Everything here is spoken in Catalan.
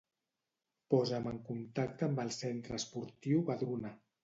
Posa'm en contacte amb el centre esportiu Vedruna.